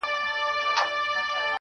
كه دي زما ديدن ياديږي.